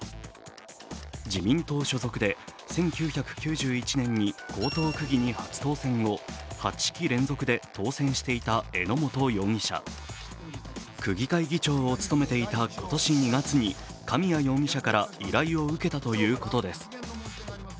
自民党所属で１９９１年に江東区議に初当選後、８期連続で当選していた榎本容疑者区議会議長を務めていた今年２月に神谷容疑者から依頼を受けたということです。